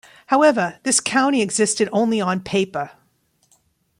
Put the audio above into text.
However, this county existed only on paper.